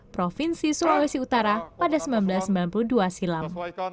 provinsi sulawesi utara pada seribu sembilan ratus sembilan puluh dua silam